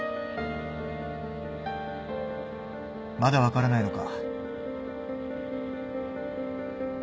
まだ分からないのか。